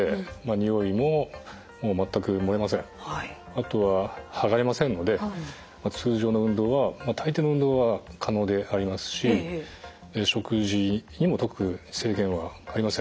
あとは剥がれませんので通常の運動はたいていの運動は可能でありますし食事にも特に制限はありません。